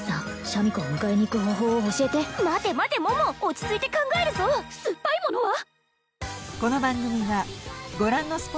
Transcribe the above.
シャミ子を迎えに行く方法を教えて待て待て桃落ち着いて考えるぞ酸っぱいものは？